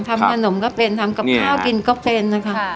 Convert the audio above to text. ทำขนมก็เป็นทำกับข้าวกินก็เป็นนะคะ